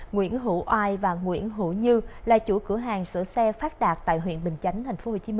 nguyễn hữu oai và nguyễn hữu như là chủ cửa hàng sửa xe phát đạt tại huyện bình chánh tp hcm